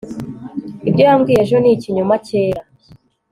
ibyo yambwiye ejo ni ikinyoma cyera